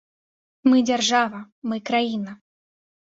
Мы дзяржава, мы краіна.